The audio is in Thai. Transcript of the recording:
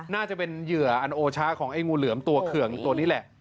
น่าจะเป็นเหยื่ออันโอชะของไอ้งูเหลือมตัวเคืองตัวนี้แหละ